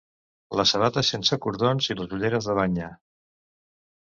Les sabates sense cordons i les ulleres de banya.